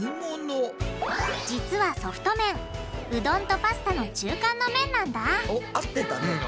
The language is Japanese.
実はソフト麺うどんとパスタの中間の麺なんだおっ合ってたね。